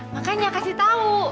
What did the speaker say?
makanya kasih tahu